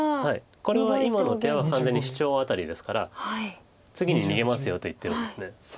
これは今の手は完全にシチョウアタリですから「次に逃げますよ」と言ってるんです。